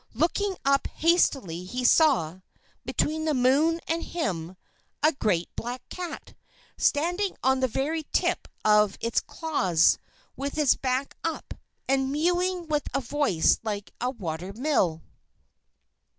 Looking up hastily he saw, between the moon and him, a great black cat, standing on the very tip of its claws, with its back up, and mewing with a voice like a water mill.